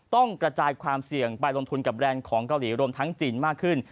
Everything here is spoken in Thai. ต้องกระจายความเสี่ยงไปลงทุนกับแรนด์ของเกาหลีรวมทั้งจีนมากขึ้น